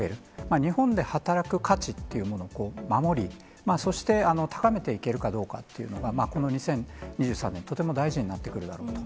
日本で働く価値っていうものを守り、そして高めていけるかどうかというのが、この２０２３年、とても大事になってくるだろうと。